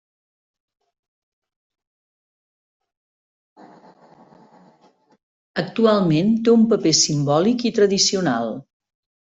Actualment té un paper simbòlic i tradicional.